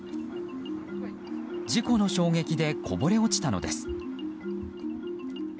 事故の衝撃でこぼれ落ちたのです。